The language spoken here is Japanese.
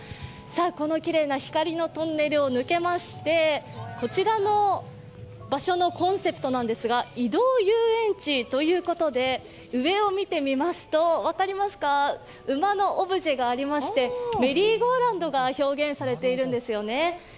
このきれいな光のトンネルを抜けまして、こちらの場所のコンセプトなんですが、移動遊園地ということで上を見てみますと、馬のオブジェがありまして、メリーゴーランドが表現されているんですよね。